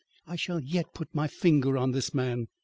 I shall yet put my finger on this man.